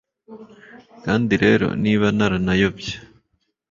kandi rero niba naranayobye